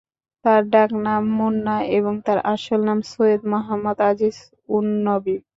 তার ডাক নাম মুন্না এবং তার আসল নাম সৈয়দ মোহাম্মদ আজিজ-উন-নবী।